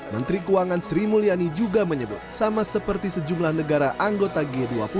menteri keuangan sri mulyani juga menyebut sama seperti sejumlah negara anggota g dua puluh